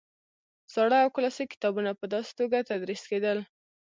زاړه او کلاسیک کتابونه په داسې توګه تدریس کېدل.